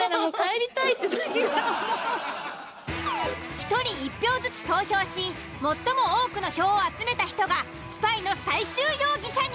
１人１票ずつ投票し最も多くの票を集めた人がスパイの最終容疑者に。